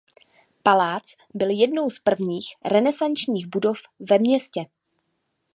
Palác byl jednou z prvních renesančních budov ve městě.